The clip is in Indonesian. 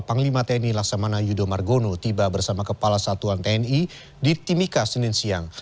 panglima tni laksamana yudho margono tiba bersama kepala satuan tni di timika senin siang